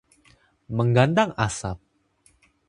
Menggantang asap